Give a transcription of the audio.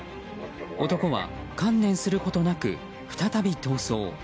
男は観念することなく再び逃走。